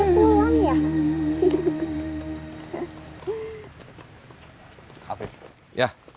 oh dia pulang ya